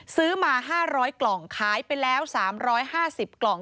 ซื้อมา๕๐๐กล่องขายไปแล้ว๓๕๐กล่อง